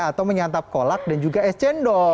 atau menyantap kolak dan juga es cendol